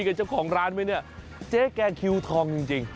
กับเจ้าของร้านไหมเนี่ยเจ๊แกคิวทองจริง